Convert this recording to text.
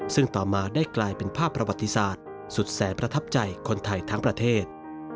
ซึ่งต่อมาได้กลายเป็นภาพประวัติศาสตร์สุดแสนประทับใจคนไทยทั้งประเทศ